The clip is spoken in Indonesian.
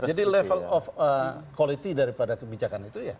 jadi level of quality daripada kebijakan itu ya